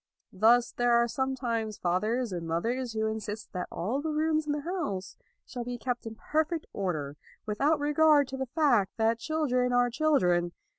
Thus there are sometimes fathers and mothers who insist that all the rooms in the house shall be kept in perfect order, without regard to the fact, that children are children.